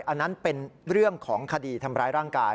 อันนั้นเป็นเรื่องของคดีทำร้ายร่างกาย